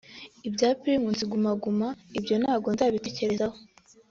Ibya Primus Guma Guma ibyo ntabwo ndabitekerezaho